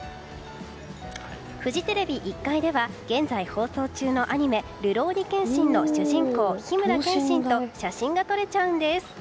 フジテレビ１階では現在放送中のアニメ「るろうに剣心」の主人公・緋村剣心と写真が撮れちゃうんです。